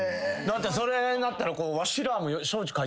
それになったら。